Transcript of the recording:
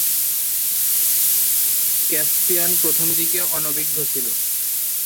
Caspian প্রথম দিকে অনভিজ্ঞ ছিল।